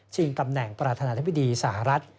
ตำแหน่งประธานาธิบดีสหรัฐ